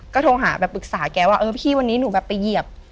ก็โทรหาแบบปรึกษาแกว่าเออพี่วันนี้หนูแบบไปเหยียบ